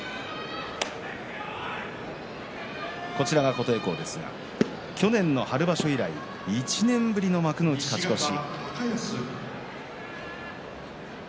琴恵光は去年の春場所以来１年ぶりの幕内勝ち越し。